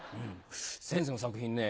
先生の作品ね